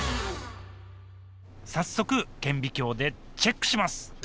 早速顕微鏡でチェックします